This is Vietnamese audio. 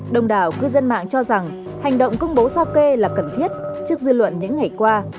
đồng đảo cư dân mạng cho rằng hành động công bố sao kê là cần thiết trước dư luận những ngày qua